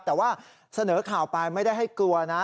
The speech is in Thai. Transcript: แต่ว่าเสนอข่าวไปไม่ได้ให้กลัวนะ